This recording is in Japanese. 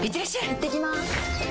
いってきます！